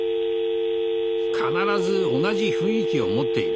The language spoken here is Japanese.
必ず同じ雰囲気を持っている。